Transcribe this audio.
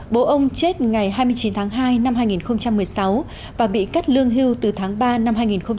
bố ông chết ngày hai mươi chín tháng hai năm hai nghìn một mươi sáu và bị cắt lương hưu từ tháng ba năm hai nghìn một mươi bảy